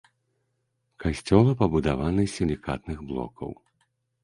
Касцёла пабудаваны з сілікатных блокаў.